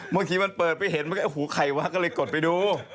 เมื่อกี้มันเปิดไปเห็นมันก็หูใครวะก็เลยกดไปดู